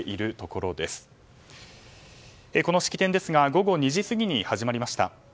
この式典ですが午後２時すぎに始まりました。